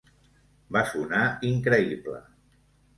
Va sonar increïble.